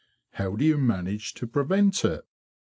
How do you manage to prevent it?